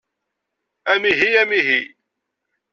Amihi, amihi!